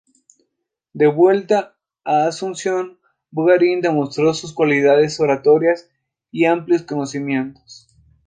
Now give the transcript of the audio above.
De vuelta a Asunción, Bogarín demostró sus cualidades oratorias y amplios conocimientos.